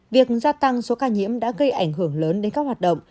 việc gia tăng số ca nhiễm đã gây ảnh hưởng lớn đến các hoạt động